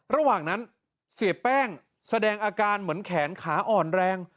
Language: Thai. ระหว่างนั้นเสียแป้งแสดงอาการเหมือนแขนขาอ่อนแรง